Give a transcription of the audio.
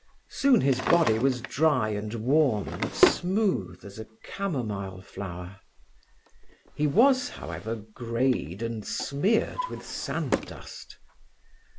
Soon his body was dry and warm and smooth as a camomile flower. He was, however, greyed and smeared with sand dust.